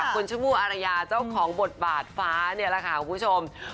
คุณชมพู่อารยาเจ้าของบทบาทฟ้านี่แหละค่ะคุณผู้ชม